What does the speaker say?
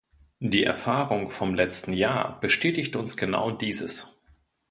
Die Erfahrung vom letzten Jahr bestätigt uns genau dieses.